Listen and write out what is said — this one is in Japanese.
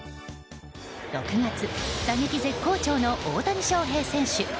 ６月打撃絶好調の大谷翔平選手。